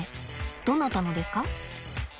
どなたのですか？